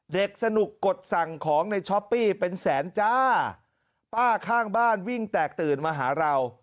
เด็กสนุกกดสั่งของในช้อปปี้เป็นแสนจ้าป้าข้างบ้านวิ่งแตกตื่นมาหาเรา